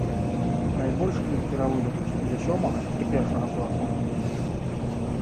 Найбольш кніг перавыдадуць для сёмага і першага класаў.